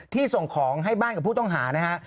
ส่งของให้บ้านกับผู้ต้องหานะฮะ